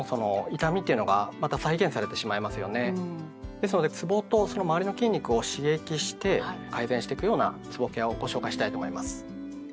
ですのでつぼとその周りの筋肉を刺激して改善していくようなつぼケアをご紹介したいと思います。